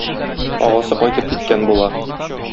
Агасы кайтып киткән була.